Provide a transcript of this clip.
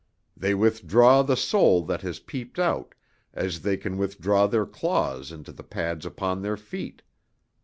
They withdraw the soul that has peeped out, as they can withdraw their claws into the pads upon their feet.